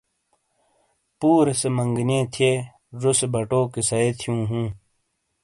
پورے سے منگنئیے تھے ژوسے بَٹو کیسائے تھیوں ہوں